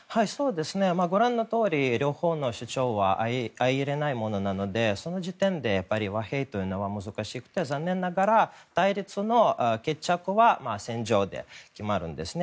ご覧のとおり両方の主張は相いれないものなのでその時点でやっぱり和平というのは難しくて、残念ながら決着は戦場で決まるんですね。